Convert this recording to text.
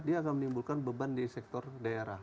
dia akan menimbulkan beban di sektor daerah